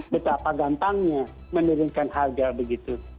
betapa gampangnya menurunkan harga begitu